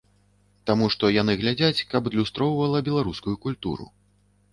Таму што яны глядзяць, каб адлюстроўвала беларускую культуру.